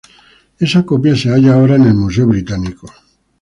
Esa copia se halla ahora en el Museo británico.